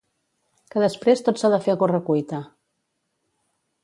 que després tot s'ha de fer a correcuita